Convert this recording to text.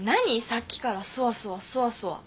さっきからそわそわそわそわ。